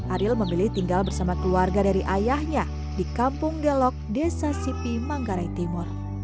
ariel memilih tinggal bersama keluarga dari ayahnya di kampung gelok desa sipi manggarai timur